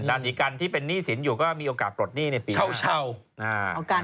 ราศีกันที่เป็นหนี้สินอยู่ก็มีโอกาสปลดหนี้ในปีเช่า